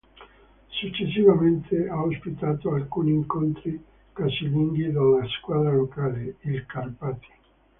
Successivamente ha ospitato alcuni incontri casalinghi della squadra locale: il Karpaty.